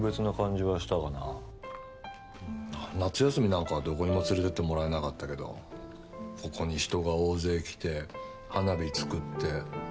夏休みなんかはどこにも連れていってもらえなかったけどここに人が大勢来て花火作って酒飲んで。